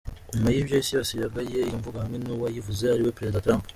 Nyuma y’ibyo isi yose yagaye iyo mvugo hamwe n’uwayivuze ariwe Perezida Trump.